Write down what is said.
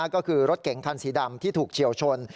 ก็คือรถเก๋งคันสีดำที่ถูกเฉียวชน